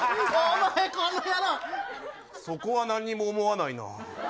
そこは何も思わないな。